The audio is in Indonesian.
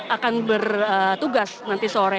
akan bertugas nanti sore